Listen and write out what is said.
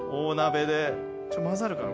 混ざるかな？